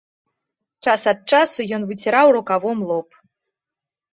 Час ад часу ён выціраў рукавом лоб.